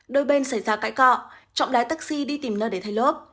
đôi bên xảy ra cãi cọ trọng lái taxi đi tìm nơi để thay lốp